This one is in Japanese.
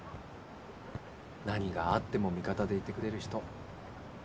何があっても味方でいてくれる人